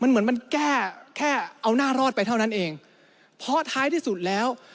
เหมือนมันแก้แค่เอาหน้ารอดไปเท่านั้นเองเพราะท้ายที่สุดแล้ว